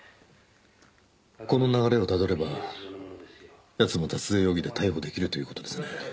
この流れをたどれば奴も脱税容疑で逮捕出来るという事ですね。